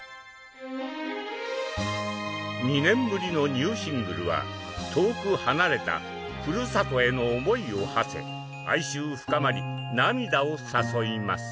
２年ぶりのニューシングルは遠く離れたふるさとへの思いをはせ哀愁深まり涙を誘います。